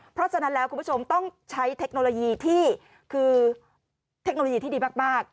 เพราะฉะนั้นแล้วคุณผู้ชมต้องใช้เทคโนโลยีที่คือเทคโนโลยีที่ดีมาก